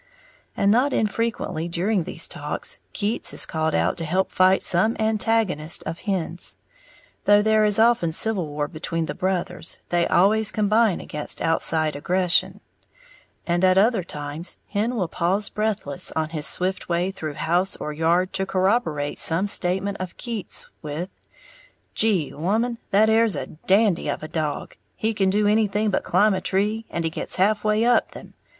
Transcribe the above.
And not infrequently during these talks Keats is called out to help fight some antagonist of Hen's (though there is often civil war between the brothers, they always combine against outside aggression); and at other times Hen will pause breathless on his swift way through house or yard to corroborate some statement of Keats's with, "Gee, woman, that 'ere's a dandy of a dog! He can do anything but climb a tree, and he gits half way up them.